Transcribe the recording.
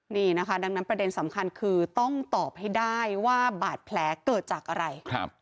นี่นะคะดังนั้นประเด็นสำคัญคือต้องตอบให้ได้ว่าบาดแผลเกิดจากอะไร